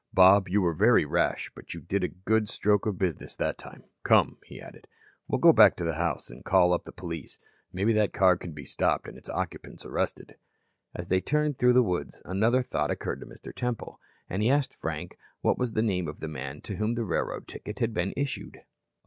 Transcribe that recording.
"Bob, you were very rash, but you did a good stroke of business that time. Come," he added, "we'll go back to the house, and call up the police. Maybe that car can be stopped and its occupants arrested." As they turned through the woods, another thought occurred to Mr. Temple, and he asked Frank what was the name of the man to whom the railroad ticket had been issued.